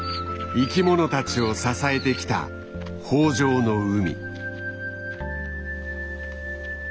生きものたちを支えてきた豊じょうの海。